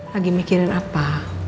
lagi mikirin apa